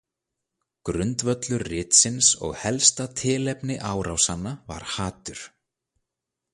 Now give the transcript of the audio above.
Grundvöllur ritsins og helsta tilefni árásanna var hatur.